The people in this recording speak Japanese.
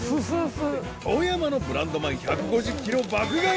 ［富山のブランド米１５０ｋｇ爆買い］